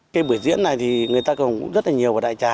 cây bưởi diễn này thì người ta còn rất là nhiều ở đại trà